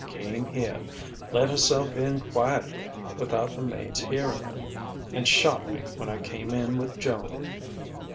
Came here, let herself in quietly, without the maid's hearing her, and shot me when I came in with Joan.